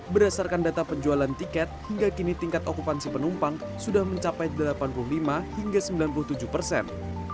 berdasarkan data penjualan tiket hingga kini tingkat okupansi penumpang sudah mencapai delapan puluh lima hingga sembilan puluh tujuh persen